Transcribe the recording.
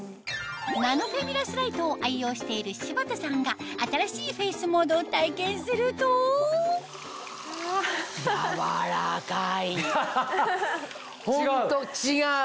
ナノフェミラスライトを愛用している柴田さんが新しいフェイスモードを体験すると違う？